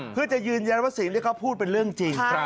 เพื่อจะยืนยันว่าสิ่งที่เขาพูดเป็นเรื่องจริง